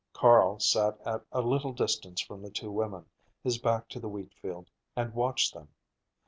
Carl sat at a little distance from the two women, his back to the wheatfield, and watched them.